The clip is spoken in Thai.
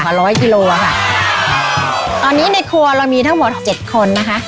ร้อยกิโลอ่ะค่ะตอนนี้ในครัวเรามีทั้งหมดเจ็ดคนนะคะ